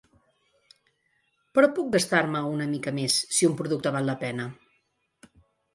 Però puc gastar-me una mica més si un producte val la pena.